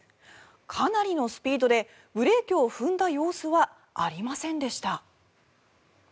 かなりのスピードでブレーキを踏んだ様子はありませんでした。